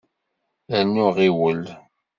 Rnu ɣiwel!